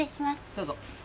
どうぞ。